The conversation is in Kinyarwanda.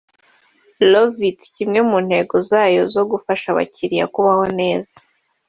Love it’ kimwe mu ntego zayo zo gufasha abakiliya kubaho neza